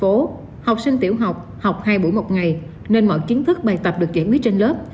học sinh tiểu học học hai buổi một ngày nên mọi kiến thức bài tập được giải quyết trên lớp